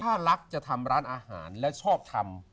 ถ้ารักจะทำร้านอาหารและชอบทำ